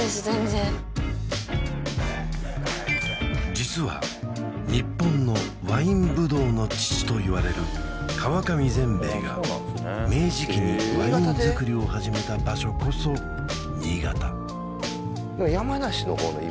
実は日本のワインぶどうの父といわれる川上善兵衛が明治期にワイン造りを始めた場所こそ新潟